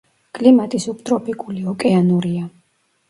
კლიმატი სუბტროპიკული, ოკეანურია.